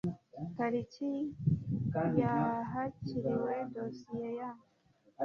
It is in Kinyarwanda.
tariki ya hakiriwe dosiye ya